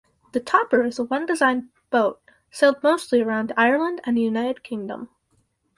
The Topper is a one-design boat sailed mostly around Ireland and the United Kingdom.